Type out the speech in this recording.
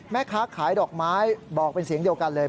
แม่ค้าขายดอกไม้บอกเป็นเสียงเดียวกันเลย